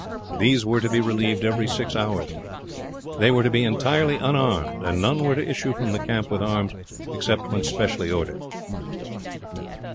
These were to be relieved every six hours. They were to be entirely unarmed, and none were to issue from the camp with arms except when specially ordered.